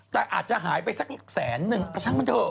แต่อาจจะหายไปสักแสนนึงเอาช่างมันเถอ